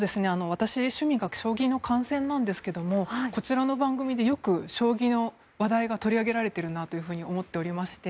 私、趣味が将棋の観戦なんですがこちらの番組でよく将棋の話題が取り上げられているなと思っておりまして。